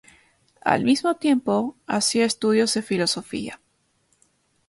Al mismo tiempo, hacía estudios de filosofía.